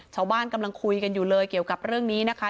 ชาวบ้านกำลังคุยกันอยู่เลยเกี่ยวกับเรื่องนี้นะคะ